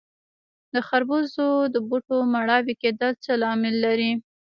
د خربوزو د بوټو مړاوي کیدل څه لامل لري؟